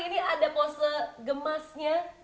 ini ada pose gemasnya